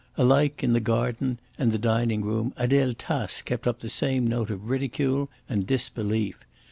Alike in the garden and the dining room, Adele Tace kept up the same note of ridicule and disbelief.